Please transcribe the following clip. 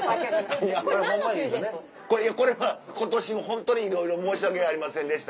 これは「今年もホントにいろいろ申し訳ありませんでした。